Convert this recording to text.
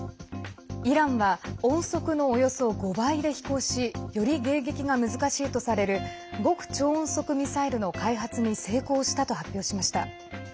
イランは音速のおよそ５倍で飛行しより迎撃が難しいとされる極超音速ミサイルの開発に成功したと発表しました。